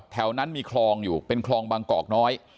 แถวนั้นมีคลองอยู่เป็นคลองบางกอกน้อย